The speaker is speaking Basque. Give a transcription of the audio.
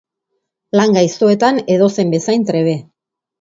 Lan gaiztoetan edozein bezain trebe.